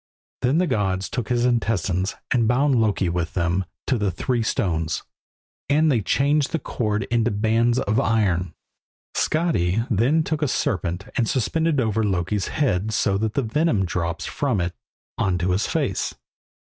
Then the gods took his intestines and bound Loki with them to the three stones, and they changed the cord into bands of iron. Skadi then took a serpent and suspended it over Loki's head so that the venom drops from it on to his face.